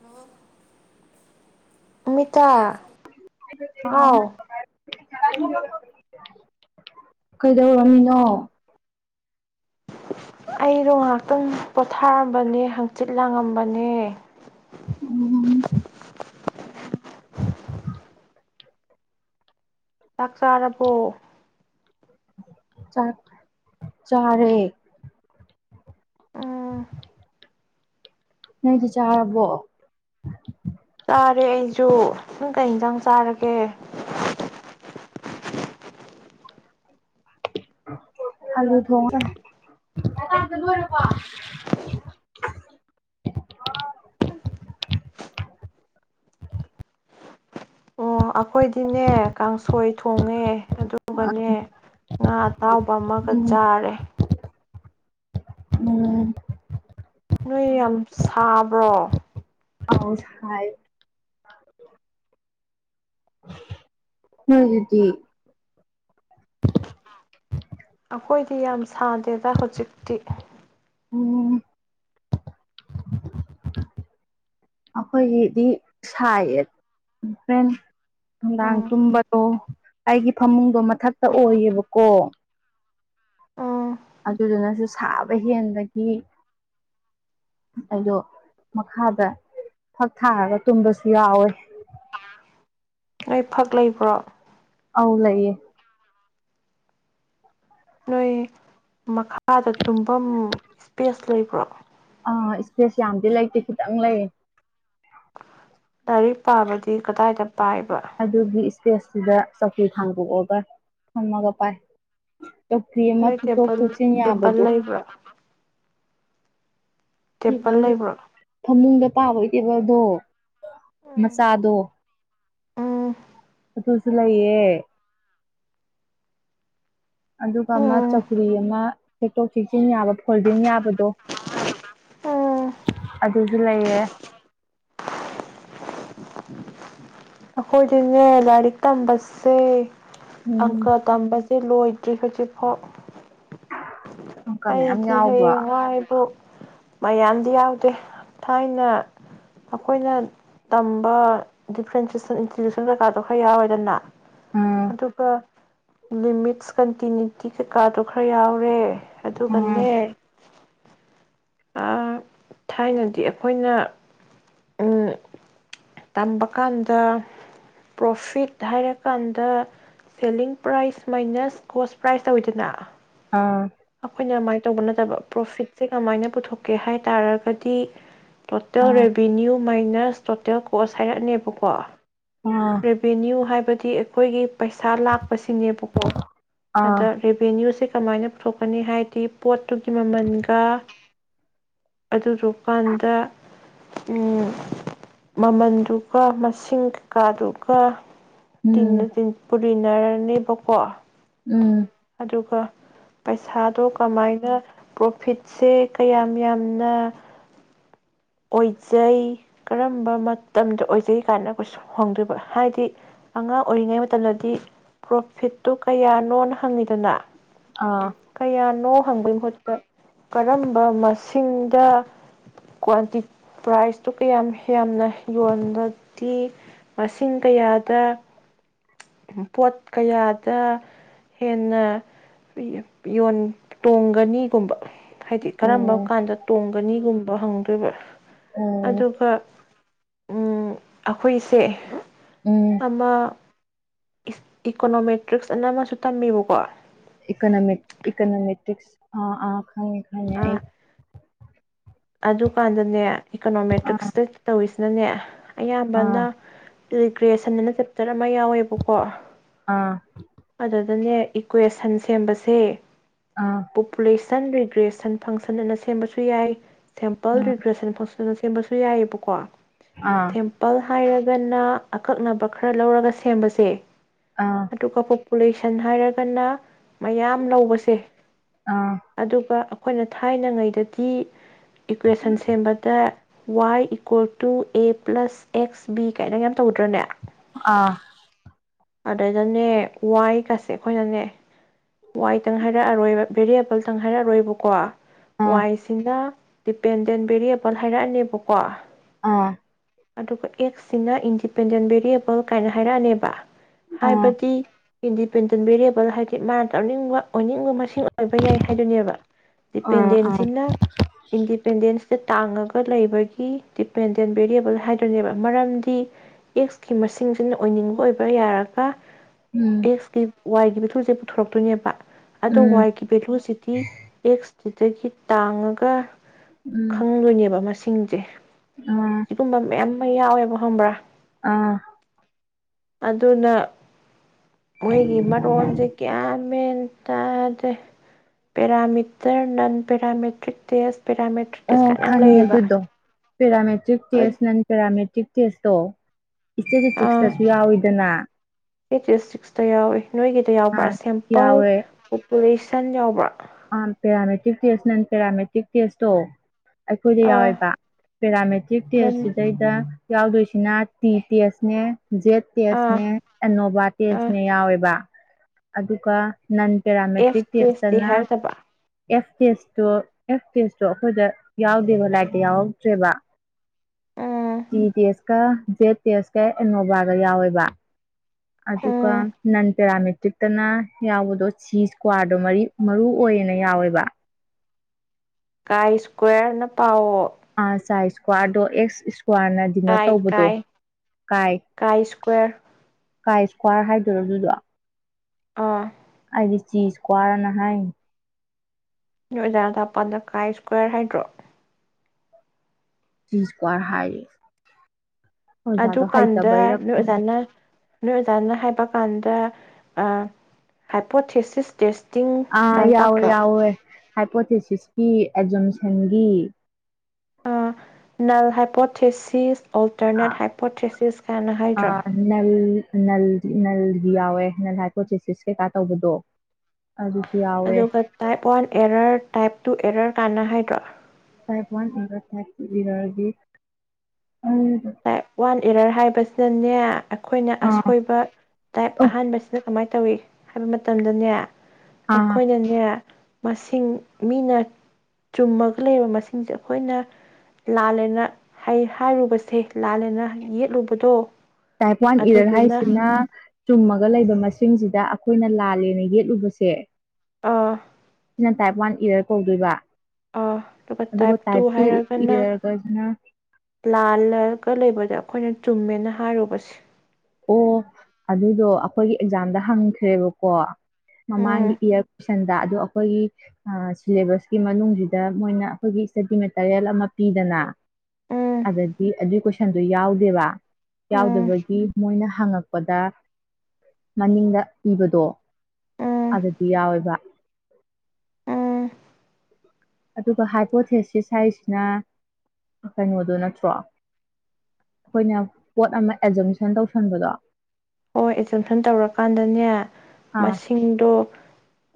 Hello ꯑꯃꯤꯇꯥ ꯍꯥꯎ ꯀꯩꯗꯧꯔꯝꯃꯤꯅꯣ ꯑꯩꯗꯣ ꯉꯥꯏꯍꯥꯛꯇꯪ ꯄꯣꯊꯥꯔꯝꯕꯅꯦ ꯍꯪꯆꯤꯠ ꯂꯥꯡꯉꯝꯕꯅꯦ ꯎꯝ ꯆꯥꯛ ꯆꯥꯔꯕꯣ ꯆꯥꯛ ꯆꯔꯦ ꯎꯝ ꯅꯣꯏꯗꯤ ꯆꯥꯔꯕꯣ ꯆꯥꯔꯦ ꯑꯩꯁꯨ ꯅꯪ ꯀꯩ ꯏꯟꯁꯥꯡ ꯆꯥꯔꯒꯦ ꯑꯂꯨ ꯊꯣꯡꯉꯦ ꯑꯈꯣꯏꯗꯤꯅꯦ ꯀꯥꯡꯁꯣꯏ ꯊꯣꯡꯉꯦ ꯑꯗꯨꯒꯅꯦ ꯉꯥ ꯑꯇꯥꯎꯕ ꯑꯃꯒ ꯎꯝ ꯆꯥꯔꯦ ꯎꯝ ꯅꯣꯏ ꯌꯥꯝ ꯁꯥꯕ꯭ꯔꯣ ꯑꯧ ꯁꯥꯏ ꯅꯣꯏꯒꯤꯗꯤ ꯑꯩꯈꯣꯏꯗꯤ ꯌꯥꯝ ꯁꯥꯗꯦꯗ ꯍꯧꯖꯤꯛꯇꯤ ꯎꯝ ꯑꯩꯈꯣꯏꯒꯤꯗꯤ ꯁꯥꯏꯌꯦ ꯍꯣꯔꯦꯟ ꯅꯨꯡꯗꯥꯡ ꯎꯝ ꯇꯨꯝꯕꯗꯣ ꯑꯩꯒꯤ ꯐꯃꯨꯡꯗꯣ ꯃꯊꯛꯇ ꯎꯝ ꯑꯣꯏꯌꯦꯕꯀꯣ ꯎꯝ ꯑꯗꯨꯗꯨꯅꯁꯨ ꯁꯥꯕ ꯍꯦꯟꯕꯒꯤ ꯑꯩꯗꯣ ꯃꯈꯥꯗ ꯐꯛ ꯊꯥꯔꯒ ꯇꯨꯝꯕꯁꯨ ꯌꯥꯎꯋꯦ ꯅꯣꯏ ꯐꯛ ꯂꯩꯕ꯭ꯔꯣ ꯑꯧ ꯂꯩꯌꯦ ꯅꯣꯏ ꯃꯈꯥꯗ ꯇꯨꯝꯐꯝ ꯏꯁꯄꯦꯁ ꯂꯩꯕ꯭ꯔꯣ ꯑ ꯏꯁꯄꯦꯁ ꯌꯥꯝꯗꯤ ꯂꯩꯇꯦ ꯈꯤꯇꯪ ꯂꯩ ꯂꯥꯏꯔꯤꯛ ꯄꯥꯥꯕꯗꯤ ꯀꯗꯥꯏꯗ ꯄꯥꯏꯕ ꯑꯗꯨꯒꯤ ꯏꯁꯄꯦꯁꯇꯨꯗ ꯆꯧꯀꯤ ꯊꯥꯡꯗꯣꯛꯑꯒ ꯐꯝꯃꯒ ꯄꯥꯏ ꯆꯧꯀ꯭ꯔꯤ ꯑꯃ ꯅꯣꯏ ꯊꯨꯞꯇꯣꯛ ꯇꯦꯕꯜ ꯊꯨꯞꯆꯤꯟ ꯇꯦꯕꯜ ꯌꯥꯕꯗꯣ ꯂꯩꯕ꯭ꯔꯣ ꯇꯦꯕꯜ ꯐꯃꯨꯡꯗ [unintelligible] ꯎꯝ ꯃꯆꯥꯗꯣ꯫ [unintelligible] ꯑꯗꯨꯒ ꯑꯃ ꯎꯝ ꯆꯧꯀꯨꯔꯤ ꯑꯃ ꯊꯦꯛꯇꯣꯛ - ꯊꯦꯛꯆꯟ ꯌꯥꯕ ꯐꯣꯜꯖꯤꯟ ꯌꯥꯕꯗꯣ ꯎꯝ ꯑꯗꯨꯁꯨ ꯂꯩꯌꯦ꯫ ꯑꯩꯈꯣꯏꯗꯤꯅꯦ ꯂꯥꯏꯔꯤꯛ ꯇꯝꯕꯁꯦ ꯎꯝ ꯑꯪꯀ ꯇꯝꯕ ꯂꯣꯏꯗ꯭ꯔꯤ ꯍꯧꯖꯤꯛꯐꯥꯎ꯫ ꯑꯪꯀ ꯃꯌꯥꯝ ꯑꯩꯗꯤ ꯌꯥꯎꯕ꯭ꯔꯣ ꯍꯌꯦꯡꯋꯥꯏꯕꯨꯛ ꯃꯌꯥꯝꯗꯤ ꯌꯥꯎꯗꯦ ꯊꯥꯏꯅ ꯑꯩꯈꯣꯏꯅ ꯇꯝꯕ ꯗꯤꯐ꯭ꯔꯦꯟꯁꯁꯟ ꯏꯟꯁꯇꯤꯇ꯭ꯨꯁꯟ ꯀꯩꯀꯥꯗꯣ ꯈꯔ ꯌꯥꯎꯔꯦꯗꯅ ꯎꯝ ꯑꯗꯨꯒ ꯂꯤꯃꯤꯠꯁ ꯀꯟꯇꯤꯅꯤ꯭ꯌꯨꯇꯤ ꯀꯩꯀꯥꯗꯨꯣ ꯈꯔ ꯌꯥꯎꯔꯦ ꯎꯝ ꯑꯗꯨꯒꯅꯦ ꯊꯥꯏꯅꯗꯤ ꯑꯩꯈꯣꯏꯅ ꯇꯝꯕ ꯀꯥꯟꯗ ꯄ꯭ꯔꯣꯐꯤꯠ ꯍꯥꯏꯔꯀꯥꯟꯗ selling price minus cost price ꯇꯧꯋꯤꯗꯅ ꯑꯥ꯫ ꯑꯩꯈꯣꯏꯅ ꯀꯃꯥꯏꯅ ꯇꯧꯕ ꯅꯠꯇꯕ ꯄ꯭ꯔꯣꯐꯤꯠꯁꯦ ꯀꯃꯥꯏꯅ ꯄꯨꯊꯣꯛꯀꯦ ꯍꯥꯏ ꯇꯥꯔꯒꯗꯤ ꯇꯣꯇꯦꯜ ꯑꯥ ꯔꯦꯚꯤꯅ꯭ꯌꯨ ꯃꯥꯏꯅꯁ ꯇꯣꯇꯦꯜ ꯀꯣꯁ ꯍꯥꯏꯔꯛꯅꯦꯕꯀꯣ ꯑꯥ ꯫ ꯔꯦꯚꯅꯌꯨ ꯍꯥꯏꯕ ꯗꯤ ꯑꯩꯈꯣꯏꯒꯤ ꯄꯩꯁꯥ ꯂꯥ ꯁꯤꯅꯦꯕꯀꯣ ꯑꯥ ꯑꯗ ꯔꯦꯚꯦꯅ꯭ꯌꯨꯁꯦ ꯀꯃꯥꯏꯅ ꯄꯨꯊꯣꯛꯀꯅꯤ ꯍꯥꯏꯗꯤ ꯄꯣꯠꯇꯨꯒꯤ ꯃꯃꯜꯒ ꯑꯗꯨꯗꯨꯀꯥꯟꯗ ꯃꯃꯜꯗꯨꯒ ꯃꯁꯤꯡ ꯀꯥꯗꯨ ꯈꯔ ꯆꯨꯝꯅ ꯎꯝ ꯆꯨꯝꯅ ꯄꯨꯔꯤ ꯅꯔꯅꯦꯕꯀꯣ꯫ ꯎꯝ ꯑꯗꯨꯒ ꯄꯩꯁꯥꯗꯣ ꯀꯃꯥꯏꯅ ꯄ꯭ꯔꯣꯐꯤꯠꯁꯦ ꯀꯌꯥꯝ ꯌꯥꯝꯅ ꯑꯣꯏꯖꯩ ꯀꯔꯝꯕ ꯃꯇꯝꯗ ꯑꯣꯏꯖꯩ ꯀꯥꯏꯅ ꯀꯩ ꯍꯪꯗꯣꯏꯕ ꯍꯥꯏꯗꯤ ꯑꯉꯥꯡ ꯑꯣꯏꯔꯤꯉꯩ ꯃꯇꯝꯗꯗꯤ ꯄ꯭ꯔꯣꯐꯤꯠꯇꯨ ꯀꯌꯥꯅꯣꯅ ꯍꯪꯉꯤꯗꯅ꯫ ꯑꯥ ꯀꯩꯌꯥꯅꯣ ꯍꯪ ꯕꯩ ꯃꯍꯨꯠꯇꯥ ꯀꯔꯝꯕ ꯃꯁꯤꯡꯗ ꯀ꯭ꯟꯇꯤ ꯄ꯭ꯔꯥꯏꯖꯇꯣ ꯀꯌꯥꯝ ꯌꯥꯝꯅ ꯌꯣꯟꯂꯗꯤ ꯃꯁꯤꯡ ꯀꯌꯥꯗ ꯄꯣꯠ ꯀꯌꯥꯗ ꯍꯦꯟꯅ ꯌꯣꯟ ꯇꯣꯡꯒꯅꯤꯒꯨꯝꯕ꯫ ꯍꯥꯏꯗꯤ ꯀꯔꯝꯕ ꯎꯝ ꯀꯥꯟꯗ ꯇꯣꯡꯒꯅꯤꯒꯨꯝ ꯍꯪꯗꯣꯏꯕ꯫ ꯎꯝ ꯑꯗꯨꯒ ꯑꯩꯈꯣꯏꯁꯦ ꯎꯝ ꯑꯃꯥ ꯏꯀꯣꯅꯣꯃꯦꯇ꯭ꯔꯤꯛꯁ ꯑꯅ ꯑꯃꯁꯨ ꯇꯝꯃꯦꯕꯀꯣ ꯏꯀꯣꯅꯣꯃꯤ ꯏꯀꯣꯅꯣꯃꯤꯇꯤꯛꯁ ꯑ ꯑꯗꯨꯀꯥꯟꯗꯅꯦ ꯑꯥ ꯏꯀꯣꯅꯣꯃꯦꯇ꯭ꯔꯤꯛꯁꯇ ꯇꯧꯋꯦ ꯅꯅꯦ ꯑꯥ ꯑꯌꯥꯝꯕꯅ ꯇꯨꯏꯒ꯭ꯔꯦꯁꯟꯅ ꯆꯦꯞꯇꯔ ꯑꯃ ꯌꯥꯎꯋꯦꯕꯀꯣ ꯑꯥ ꯑꯗ ꯑꯗꯅꯦ ꯏꯀ꯭ꯋꯦꯁꯟ ꯁꯦꯝꯕꯁꯦ ꯑꯥ ꯑꯥ ꯄꯣꯄꯨꯂꯦꯁ ꯁꯟ ꯕꯤꯒ꯭ꯔꯦꯁ ꯁꯟ ꯐꯪꯁꯟ ꯑꯅ ꯁꯦꯝꯕꯁꯨ ꯌꯥꯏ ꯇꯦꯝꯄꯜ ꯔꯤꯒ꯭ꯔꯦꯁꯟ ꯐꯣꯁꯤꯜ ꯁꯦꯝꯕꯁꯨ ꯌꯥꯏꯑꯕꯀꯣ ꯑꯥ ꯊꯦꯝꯄꯜ ꯍꯥꯏꯔꯒ ꯒꯅ ꯑꯀꯛꯅꯕ ꯈꯔ ꯂꯧꯔꯒ ꯁꯦꯝꯕꯁꯦ ꯑꯥ ꯑꯗꯨꯒ ꯄꯣ ꯄꯣꯄꯨꯂꯦꯁꯟ ꯍꯥꯏꯔꯒꯅ ꯃꯌꯥꯝ ꯂꯧꯕꯁꯦ ꯑꯥ ꯑꯗꯨꯒ ꯑꯩꯈꯣꯏꯅ ꯊꯥꯏꯅꯉꯩꯗꯗꯤ ꯏꯀ꯭ꯋꯦꯁꯟ ꯁꯦꯝꯕꯗ ꯋꯥꯏ equal to A plus X B ꯀꯥꯏꯅꯒ ꯌꯥꯝ ꯇꯧꯗ꯭ꯔꯅꯦ ꯑꯥ ꯑꯗꯩꯗꯅꯦ ꯋꯥꯏꯒꯁꯦ ꯑꯩꯈꯣꯏꯅꯅꯦ ꯋꯥꯏꯗꯪ ꯍꯥꯏꯔꯛꯑꯔꯣꯏꯕ ꯚꯦꯔꯤꯌꯦꯕꯜꯇꯪ ꯍꯥꯏꯔꯛꯑꯔꯣꯏꯕꯀꯣ ꯑꯥ ꯋꯥꯏꯁꯤꯅ ꯗꯤꯄꯦꯟꯗꯦꯟ ꯕꯦꯔꯤꯌꯦꯕꯜ ꯍꯥꯏꯔꯛꯑꯅꯤꯕꯀꯣ ꯑꯥ ꯑꯗꯨꯒ ꯑꯦꯛꯁꯁꯤꯅ ꯏꯟꯗꯤꯄꯦꯟꯗꯦꯟ ꯚꯦꯔꯤꯌꯦꯕꯜ ꯀꯥꯏꯅ ꯍꯥꯏꯔꯛꯑꯅꯤꯕ ꯑꯥ ꯍꯥꯏꯕꯗꯤ ꯏꯟꯗꯤꯄꯦꯟꯗꯦꯟ ꯚꯦꯔꯤꯌꯦꯕꯜ ꯍꯥꯏ ꯗꯤ ꯃꯥꯅ ꯇꯧꯅꯤꯡꯕ ꯑꯣꯏꯅꯤꯡꯕ ꯃꯁꯤꯡ ꯑꯣꯏꯕ ꯌꯥꯏ ꯍꯥꯏꯗꯨꯅꯦꯕ ꯑꯥ ꯑꯥ ꯗꯤꯄꯦꯟꯗꯦꯟꯁꯤꯅ ꯏꯟꯗꯤꯄꯦꯟꯗꯦꯟꯁ ꯁꯦ ꯇꯥꯡꯉꯒ ꯂꯩꯕꯒꯤ ꯗꯤꯄꯦꯟꯗꯦꯟ ꯕꯦꯔꯤꯌꯦꯕꯜ ꯍꯥꯏꯗꯣꯏꯅꯦꯕ ꯃꯔꯝꯗꯤ ꯑꯦꯛꯁꯀꯤ ꯃꯁꯤꯡꯁꯤꯅ ꯑꯣꯏꯅꯤꯡꯕ ꯑꯣꯏꯕ ꯌꯥꯔꯒ ꯑꯥ ꯎꯝ ꯑꯦꯛꯁꯀꯤ ꯋꯥꯏꯒꯤ ꯃꯤ ꯊꯨꯁꯦ ꯄꯨꯊꯣꯔꯛꯇꯣꯏꯅꯦꯕ ꯑꯗꯣ ꯎꯝ ꯋꯥꯏꯒꯤ ꯚꯦꯂꯨꯁꯤꯗꯤ ꯑꯦꯛꯁ ꯑꯗꯨꯗꯒꯤ ꯇꯥꯡꯉꯒ ꯎꯝ ꯈꯪꯗꯣꯏꯅꯦꯕ ꯃꯥ ꯁꯤꯡꯖꯦ ꯑꯥ ꯫ ꯁꯤꯒꯨꯝꯕ ꯃꯌꯥꯝ ꯌꯥꯏ ꯌꯦ ꯕꯥ ꯈꯡꯕꯔꯥ ꯫ ꯑꯥ꯫ ꯑꯗꯨꯅ ꯃꯣꯏꯒꯤ ꯃꯔꯣꯟꯁꯦ ꯀꯌꯥ ꯃꯦꯟ ꯇꯥꯗꯦ parameter non parametric test parametric test ꯀꯥꯅꯥ ꯌꯥꯝ ꯂꯩꯌꯦꯕ꯫ ꯄꯦꯔꯥꯃꯦꯇ꯭ꯛ ꯍꯣꯏ ꯇꯦꯁ ꯅꯟ ꯄꯦꯔꯥ [unintelligible] ꯑꯥ ꯏꯁꯇꯦꯇꯤꯇꯤꯛꯁꯇꯁꯨ ꯌꯥꯎꯏꯤꯗꯅ꯫ [unintelligible] ꯌꯥꯎꯋꯤ ꯅꯣꯏꯒꯤꯗ ꯌꯥꯎꯕ꯭ꯔꯥ ꯑꯥ ꯁꯦꯝꯄꯜ ꯇꯔꯦꯁꯟ ꯌꯥꯎꯕ꯭ꯔꯥ? ꯑ ꯄꯦꯔꯥꯃꯦꯇ꯭ꯔꯤ ꯇꯦꯁ ꯅ ꯄꯦꯔꯥꯃꯦꯇ꯭ꯛ ꯇꯁꯇꯣ ꯑꯩꯈꯣꯏꯗ ꯑꯥ ꯌꯥꯎꯋꯦꯕ ꯄꯦꯔꯥꯃꯦꯇ꯭ꯔꯤꯛ ꯇꯦꯁ ꯅꯟ ꯁꯤꯗꯩꯗ ꯌꯥꯎꯗꯣꯏꯁꯤꯅ ꯇꯤ ꯇꯦꯁꯅꯦ ꯖꯦꯠ ꯑꯥ ꯇꯦꯁꯅꯦ, ꯑꯦꯅꯣꯚ ꯑꯥ ꯇꯦꯁꯅꯦ ꯌꯥꯎꯋꯦꯕ꯫ ꯑꯗꯨꯒ ꯅꯟ ꯄꯦꯔꯥꯃꯦꯇ꯭ꯔꯤꯛ ꯑꯦꯐ ꯇꯦ ꯇꯦꯁꯇꯤ ꯅ ꯍꯥꯏꯔꯛꯇꯕ ꯑꯦꯐ ꯇꯦꯁꯇꯣ ꯑꯦꯐ ꯇꯦꯁꯇ꯭ꯣ ꯑꯩꯈꯣꯏꯗ ꯌꯥꯎꯗꯦꯕ ꯂꯥꯏꯔꯤꯛꯇ ꯌꯥꯎꯔꯛꯇ꯭ꯔꯦꯕ꯫ ꯎꯝ ꯀ ꯖꯦꯠ ꯇꯦꯁꯀ ꯑꯦꯅꯣꯚꯒ ꯌꯥꯎꯋꯦꯕ ꯑꯗꯨꯒ ꯎꯝ ꯅꯟ ꯄꯦꯔꯥꯃꯦꯇ꯭ꯔꯤꯛꯇꯅ ꯌꯥꯎꯕꯗꯣ ꯁꯤ ꯏꯁꯀ꯭ꯋꯥꯔꯗꯣ ꯃꯔꯨꯑꯣꯌꯦꯅ ꯌꯥꯎꯋꯦꯕ꯫ ꯀꯥꯏ ꯏꯁꯀ꯭ꯋꯦꯔ ꯅ ꯄꯥꯑꯣ꯫ ꯑꯁꯥꯏ ꯏꯁꯀ꯭ꯋꯥꯔꯗꯣ ꯑꯦꯁ ꯀ꯭ꯋꯥꯔꯅ ꯗꯤꯅꯣꯠ ꯀꯥꯏ ꯇꯧꯕꯗꯣ ꯀꯥꯏ ꯀꯥꯏ ꯀꯥꯏ ꯏꯁꯀ꯭ꯋꯥꯔ ꯍꯥꯏꯗꯣꯔꯣ ꯑꯗꯨꯗꯣ? ꯑꯥ꯫ ꯍꯥꯏꯗꯤ ꯆꯤꯁ ꯀ꯭ꯋꯥꯔꯅ ꯍꯥꯏ꯫ ꯅꯣꯏ ꯑꯣꯖꯥꯅ ꯇꯛꯄꯗ ꯀꯥꯏ ꯏꯁꯀ꯭ꯋꯥꯔ ꯍꯥꯏꯗ꯭ꯔꯣ? ꯇꯤ ꯁꯀꯥꯌꯔ ꯍꯥꯏꯌꯦ꯫ ꯑꯣꯖꯥꯗꯣ ꯑꯗꯨꯀꯥꯟꯗ ꯍꯩꯇꯕꯩꯔ ꯅꯣꯏ ꯑꯣꯖꯥꯅ ꯅꯣꯏ ꯑꯣꯖꯥꯅ ꯍꯥꯏꯕꯀꯥꯟꯗ ꯍꯥꯏꯄꯣꯊꯦꯁꯤꯁ ꯇꯦꯁ ꯑꯥ ꯌꯥꯎꯣꯏ ꯌꯥꯎ ꯍꯥꯏ ꯄꯣꯠꯇꯁꯤꯁ ꯑꯦꯖꯝꯁꯟꯒꯤ ꯅꯜ ꯍꯥꯏꯄꯣꯊꯦꯁꯤꯁ ꯑꯣꯜꯇꯔꯅꯦꯠ ꯍꯥꯏꯄꯣꯊꯦꯁꯤꯁ ꯀꯥꯏꯅ ꯍꯥꯏꯗ꯭ꯔꯥ ꯅꯂꯗꯤ ꯅꯜꯗꯤ ꯌꯥꯎꯋꯦ ꯅꯜ ꯍꯥꯏꯄꯣꯊꯦꯁꯤꯁ ꯀꯩꯀꯥ ꯇꯧꯕꯗꯣ ꯑꯗꯨꯁꯨ ꯌꯥꯎꯋꯦ ꯑꯗꯨꯒ type one error type two error ꯀꯥꯏꯅ ꯍꯥꯏꯗ꯭ꯔꯣ type one error type two ꯏꯔꯔꯒꯤ ꯇꯥꯏꯞ ꯋꯥꯟ ꯏꯔꯔ ꯍꯥꯏ ꯕꯁꯤꯅꯅꯦ ꯑꯩꯈꯣꯏꯅ ꯑꯥ ꯑꯁꯣꯏꯕ ꯇꯥꯏꯞ ꯑꯣ ꯑꯍꯥꯟꯕꯁꯤꯗ ꯀꯃꯥꯏꯅ ꯇꯧꯏ ꯍꯥꯏꯕ ꯃꯇꯝꯗꯅꯦ ꯑꯥ ꯑꯩꯈꯣꯏꯅꯅꯦ ꯃꯁꯤꯡ ꯃꯤꯅ ꯆꯨꯝꯃꯒ ꯂꯩꯔꯕ ꯃꯁꯤꯡꯁꯦ ꯑꯩꯈꯣꯏꯅ ꯂꯥꯜꯂꯦꯅ ꯍꯥꯏ ꯍꯥꯏꯔꯨꯕꯁꯦ ꯂꯥꯜꯂꯦꯅ ꯌꯦꯠꯂꯨꯕꯗꯣ ꯇꯥꯏꯞ ꯋꯥꯟ ꯏꯔꯔ ꯑꯗꯨꯗꯨꯅ ꯍꯥꯏꯁꯤꯅ ꯆꯨꯝꯃꯒ ꯂꯩꯕ ꯃꯁꯤꯡ ꯁꯤꯡꯁꯤꯗ ꯑꯩꯈꯣꯏꯅ ꯂꯥꯜꯂꯦꯅ ꯌꯦꯠꯂꯨꯕꯁꯦ ꯑꯥ ꯁꯤꯅ ꯇꯥꯏꯞ ꯋꯥꯥꯟ ꯏꯔꯔ ꯀꯧꯗꯣꯏꯕ ꯑ ꯑꯗꯨꯒ ꯇꯥꯏꯞ ꯇꯨ ꯍꯥꯏꯔꯒꯅ ꯂꯥꯜꯂꯒ ꯂꯩꯕꯗ ꯑꯩꯈꯣꯏꯅ ꯆꯨꯝꯃꯦꯅ ꯍꯥꯏꯔꯨꯕꯁꯦ ꯑꯣ ꯑꯗꯨꯗꯣ ꯑꯩꯈꯣꯏꯒꯤ ꯑꯦꯛꯖꯥꯝꯗ ꯍꯪꯈ꯭ꯔꯦꯕꯀꯣ ꯎꯝ ꯃꯃꯥꯡꯒꯤ ꯏꯌꯥꯔ ꯀꯣꯏꯁꯟꯗ ꯑꯗꯣ ꯑꯩꯈꯣꯏꯒꯤ ꯁꯤꯂꯦꯕꯁꯀꯤ ꯃꯅꯨꯡꯁꯤꯗ ꯃꯣꯏꯅ ꯑꯩꯈꯣꯏꯒꯤ ꯏꯁꯇꯗꯤ ꯃꯦꯇꯔꯤꯌꯦꯜ ꯑꯃ ꯄꯤꯗꯅ ꯎꯝ ꯑꯗꯗꯤ ꯑꯗꯨ ꯀꯣꯏꯁꯟꯗꯣ ꯌꯥꯎ ꯗꯦꯕ ꯎꯝ ꯌꯥꯎꯗꯕꯒꯤ ꯍꯪꯉꯛꯄꯗ ꯃꯅꯤꯡꯗ ꯄꯤꯕꯗꯣ ꯎꯝ ꯑꯗꯨꯗꯤ ꯌꯥꯎꯋꯦꯕ ꯎꯝ ꯑꯗꯨꯒ ꯍꯥꯏꯄꯣꯊꯦꯁꯤꯁ ꯍꯥꯏꯁꯤꯅ ꯀꯩꯅꯣꯗꯣ ꯅꯠꯇ꯭ꯔꯣ ꯑꯩꯈꯣꯏꯅ ꯄꯣꯠ ꯑꯃ ꯑꯦꯖꯨꯝꯁꯟ ꯇꯧꯁꯟꯕꯗꯣ ꯍꯣꯏ ꯑꯦꯖꯨꯝꯁꯟ ꯇꯧꯔꯀꯥꯟꯗꯅꯦ ꯑꯥ ꯃꯁꯤꯡꯗꯣ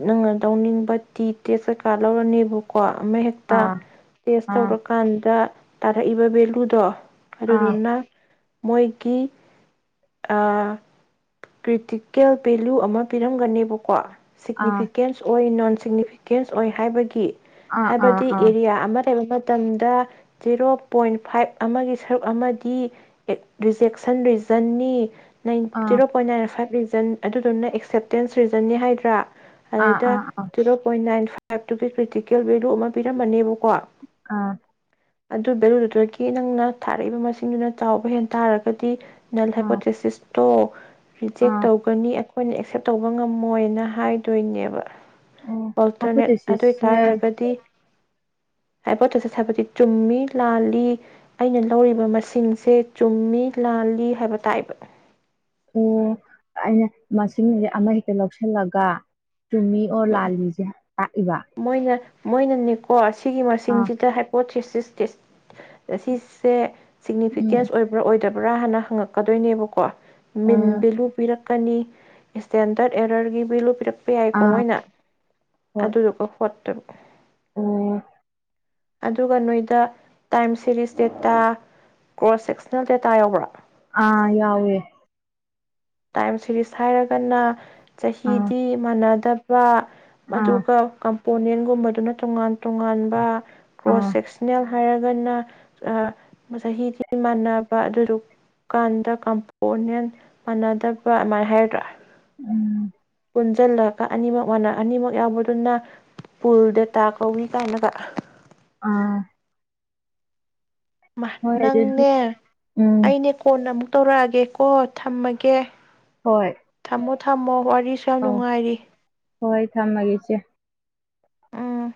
ꯅꯪꯅ ꯂꯧꯅꯤꯡꯕ ꯇꯤ ꯇꯦꯁ ꯀꯩꯀꯥ ꯂꯧꯔꯅꯦꯕꯀꯣ ꯑꯃꯍꯦꯛꯇ ꯑꯥ ꯇꯦꯁ ꯑꯥ ꯇꯧꯔꯀꯥꯟꯗ ꯇꯥꯔꯛꯏꯕ ꯚꯦꯂꯨꯗꯣ ꯑꯥ ꯑꯗꯨꯗꯨꯅ ꯃꯣꯏꯒꯤ ꯀ꯭ꯔꯤꯇꯤꯀꯦꯜ ꯚꯦꯂꯨ ꯑꯃ ꯄꯤꯔꯝꯒꯅꯦꯕꯀꯣ ꯑꯥ ꯁꯤꯒꯅꯤꯐꯤꯀꯦꯟꯁ ꯑꯣꯏꯅ ꯁꯤꯒꯅꯤꯐꯤꯀꯦꯟꯁ ꯑꯣꯏ ꯍꯥꯏꯕꯒꯤ ꯑꯥ ꯍꯥꯏꯕꯗꯤ ꯑꯥ ꯑꯥ ꯑꯦꯔꯤꯌꯥ ꯑꯃꯗꯩꯩ ꯑꯃ ꯇꯝꯗ ꯖꯦꯔꯣ ꯄꯣꯏꯟ ꯐꯥꯏꯚ ꯑꯃꯒꯤ ꯁꯔꯨꯛ ꯑꯃꯗꯤ ꯔꯤꯖꯦꯛꯁꯟ ꯔꯤꯖ ꯑꯟꯅꯤ ꯅꯩꯏꯟ ꯑꯥ zero point nine five region ꯑꯗꯨꯗꯨꯅ ꯑꯦꯛꯁꯦꯞꯇꯦꯟꯁ ꯔꯤꯖꯟꯅꯤ ꯍꯥꯏꯗ꯭ꯔꯥ ꯑꯥ ꯑꯥ ꯑꯥ ꯑꯗꯩꯗ ꯑꯥ ꯑꯥ ꯑꯥ ꯖꯤꯔꯣ ꯄꯣꯏꯟ ꯅꯥꯏꯟ ꯐꯥꯏꯚ ꯇꯥꯏꯞꯇꯨꯒꯤ ꯀ꯭ꯔꯤꯇꯤꯀꯦꯜ ꯚꯦꯂꯨ ꯑꯃ ꯄꯤꯔꯝꯕꯅꯦꯕ ꯑꯥ ꯑꯗꯨ ꯚꯦꯂꯨꯗꯨꯗꯒꯤ ꯅꯪꯅ ꯊꯥꯔꯛꯏꯕ ꯃꯁꯤꯡꯗꯨꯅ ꯆꯥꯎꯕ ꯍꯦꯟ ꯇꯥꯔꯒꯗꯤ ꯅꯜ ꯍꯥꯏꯄꯣꯊꯦꯁꯤꯁ ꯇꯣ ꯔꯤꯖꯦꯛ ꯇꯧꯒꯅꯤ ꯑꯠ ꯑꯈꯣꯏꯅ ꯑꯦꯛꯁꯦꯞ ꯇꯧꯕ ꯉꯝꯃꯣꯏꯅ ꯍꯥꯏꯗꯣꯏꯅꯦꯕ ꯑꯣ ꯑꯣꯜꯇꯔꯅꯦꯠ ꯑꯗꯨ ꯍꯥꯏꯄꯣꯊꯦꯁꯤꯁꯁꯦ ꯑꯣꯏꯇꯥꯔꯒꯗꯤ ꯍꯥꯏꯄꯣꯊꯦꯁꯤꯁ ꯍꯥꯏꯕꯗꯤ ꯆꯨꯝꯃꯤ ꯂꯥꯜꯂꯤ ꯑꯩꯅ ꯂꯧꯔꯤꯕ ꯃꯁꯤꯡꯁꯦ ꯆꯨꯝꯃꯤ ꯂꯥꯜꯂꯤ ꯍꯥꯏꯕ ꯇꯥꯏꯕ ꯑꯣ ꯑꯩꯅ ꯃꯁꯤꯡꯁꯦ ꯑꯃꯍꯦꯛꯇ ꯂꯧꯁꯤꯜꯂꯒ ꯆꯨꯝꯃꯤ ꯑꯣꯔ ꯂꯥꯜꯂꯤꯖꯦ ꯍꯥꯏ ꯃꯣꯏꯅ ꯃꯣꯏꯅꯅꯦꯀꯣ ꯁꯤꯒꯤ ꯑꯥ ꯃꯁꯤꯡꯁꯤꯗ ꯍꯥꯏ ꯄꯣꯊꯤꯁ [unintelligible] ꯁꯤꯁꯦ ꯎꯝ ꯁꯤꯛꯅꯤꯐꯤꯀꯦꯟꯁ ꯑꯣꯏꯕ꯭ꯔꯥ ꯑꯣꯏꯗꯞ ꯕꯔꯥ ꯍꯥꯟꯅ ꯍꯪꯉꯛꯀꯗꯣꯏꯅꯦꯕꯀꯣ ꯃꯤꯟ ꯎꯝ ꯕꯤꯂꯨ ꯄꯤꯔꯛ ꯀꯅꯤ ꯏꯁꯇꯦꯟꯗꯔꯠ ꯑꯦꯔꯔꯒꯤ ꯕꯤꯂꯨ ꯄꯤꯔꯛ ꯄ ꯌꯥꯏꯀꯣ ꯑꯥ ꯃꯣꯏꯅ ꯍꯣꯏ ꯑꯗꯨꯗꯣ [unintelligible] ꯑꯣ ꯑꯗꯨꯒ ꯅꯣꯏꯗ time series data cross sectional data ꯌꯥꯎꯕ꯭ꯔꯥ ꯑꯥ ꯌꯥꯎꯋꯦ ꯇꯥꯏꯝ ꯁꯤꯔꯤꯁ ꯍꯥꯏꯔꯒꯅ ꯑꯥ ꯆꯍꯤꯗꯤ ꯃꯥꯟꯅꯗꯕ ꯑꯥ ꯃꯗꯨꯒ ꯀꯝ ꯄꯣꯅꯦꯟꯒꯨꯝꯕꯗꯨꯅ ꯇꯣꯉꯥꯟ ꯇꯣꯉꯥꯟꯕ ꯀ꯭ꯔꯣꯁ ꯑꯥ ꯁꯦꯛꯁꯅꯦꯜ ꯍꯥꯏꯔꯒꯅ ꯑꯥ ꯆꯍꯤꯗꯤ ꯃꯥꯟꯅꯕ ꯑꯗꯨꯗꯨ ꯀꯥꯟꯗ ꯀꯝꯄꯣꯅꯦꯟ ꯃꯥꯟꯅꯗꯕ ꯑꯃꯥꯏ ꯍꯥꯏꯔꯗ꯭ꯔꯥ ꯎꯝ ꯄꯨꯟꯖꯜꯂꯒ ꯑꯅꯤꯃꯛ ꯃꯅ ꯑꯅꯤꯃꯛ ꯌꯥꯎꯕꯗꯨꯅ ꯄꯨꯜ ꯗꯦꯇꯥ ꯀꯧꯏ ꯀꯥꯏꯅꯒ ꯑꯥ ꯍꯣꯏ ꯑꯗꯨꯗꯤ ꯅꯪꯅꯦ ꯎꯝ ꯑꯩꯅꯦ ꯀꯣꯟꯅ ꯑꯃꯨꯛ ꯇꯧꯔꯛꯑꯒꯦ ꯀꯣ ꯊꯝꯃꯒꯦ꯫ ꯍꯣꯏ꯫ ꯊꯝꯃꯣ ꯊꯝꯃꯣ [unintelligible] ꯋꯥꯔꯤꯁꯨ ꯌꯥꯝ ꯑꯧ ꯅꯨꯡꯉꯥꯏꯔꯤ꯫ ꯍꯣꯏ ꯊꯝꯃꯒꯦ ꯏꯆꯦ꯫ ꯎꯝ꯫